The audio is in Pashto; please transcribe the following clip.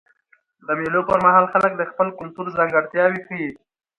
د مېلو پر مهال خلک د خپل کلتور ځانګړتیاوي ښیي.